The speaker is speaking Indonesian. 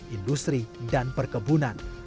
industri dan perkebunan